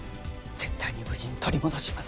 絶対に無事に取り戻します。